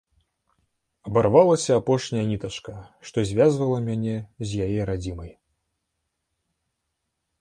Абарвалася апошняя нітачка, што звязвала мяне з яе радзімай.